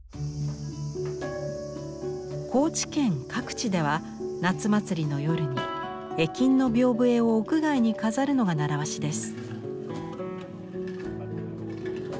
高知県各地では夏祭りの夜に絵金の屏風絵を屋外に飾るのが習わしです。